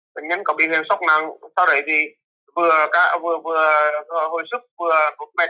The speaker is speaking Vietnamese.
truyền ngân có biểu hiện sốc năng sau đấy thì vừa hồi sức vừa nút mẹt